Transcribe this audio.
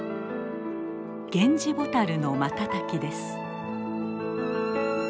ゲンジボタルの瞬きです。